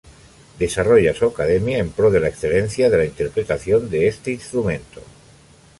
Desarrolla su academia en pro de la excelencia de la interpretación de este instrumento.